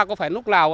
có phải lúc nào